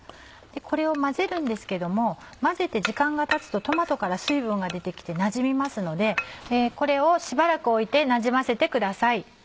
これを混ぜるんですけども混ぜて時間がたつとトマトから水分が出て来てなじみますのでこれをしばらく置いてなじませてください。